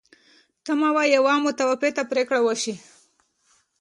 تمه وه یوه متفاوته پرېکړه وشي.